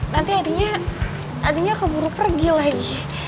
nanti adinya keburu pergi lagi